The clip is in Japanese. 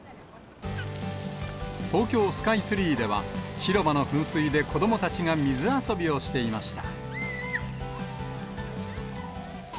東京スカイツリーでは、広場の噴水で子どもたちが水遊びをしていました。